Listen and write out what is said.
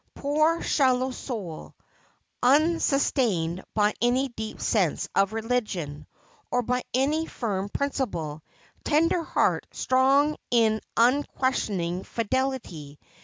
Poor shallow soul, unsustained by any deep sense of religion, or by any firm principle ; tender heart, strong in unquestioning fidelity.